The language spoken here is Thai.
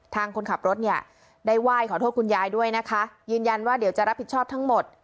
คนขับรถเนี่ยได้ไหว้ขอโทษคุณยายด้วยนะคะยืนยันว่าเดี๋ยวจะรับผิดชอบทั้งหมด